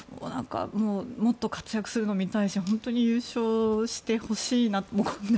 もっと活躍するのを見たいし本当に優勝してほしいと思いが。